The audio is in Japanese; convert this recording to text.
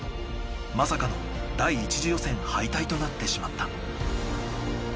まさかの第１次予選敗退となってしまった。